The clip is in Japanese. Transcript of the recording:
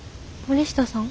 森下さん？